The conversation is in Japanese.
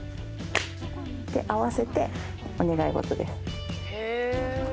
合わせてお願い事です。